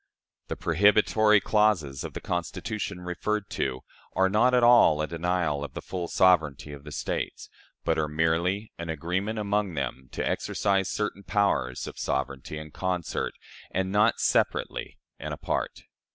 The prohibitory clauses of the Constitution referred to are not at all a denial of the full sovereignty of the States, but are merely an agreement among them to exercise certain powers of sovereignty in concert, and not separately and apart.